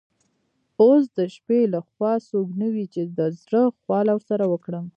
اوس د شپې له خوا څوک نه وي چي د زړه خواله ورسره وکړم.